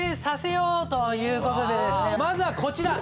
まずはこちら。